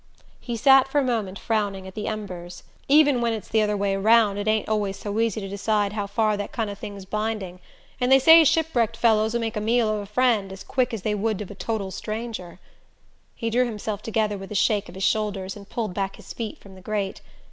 He sat for a moment frowning at the embers. "Even when it's the other way round it ain't always so easy to decide how far that kind of thing's binding... and they say shipwrecked fellows'll make a meal of friend as quick as they would of a total stranger." He drew himself together with a shake of his shoulders and pulled back his feet from the grate.